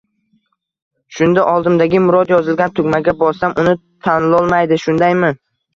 Shunda oldimdagi Murod yozilgan tugmaga bossam, uni tanlolmaydi, shundaymi?